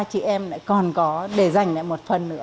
chị em lại còn có để dành lại một phần nữa